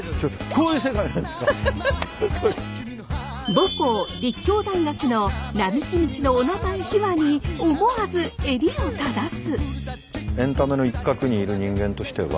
母校立教大学の並木道のおなまえ秘話に思わず襟を正す！